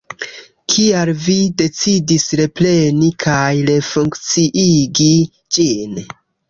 Kial vi decidis repreni kaj refunkciigi ĝin?